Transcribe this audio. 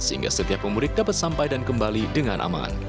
sehingga setiap pemudik dapat sampai dan kembali dengan aman